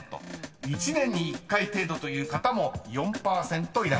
［１年に１回程度という方も４％いらっしゃいました］